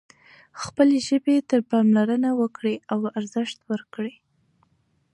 خپلې ژبې ته پاملرنه وکړئ او ارزښت ورکړئ.